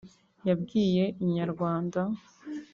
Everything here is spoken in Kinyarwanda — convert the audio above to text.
yabwiye Inyarwanda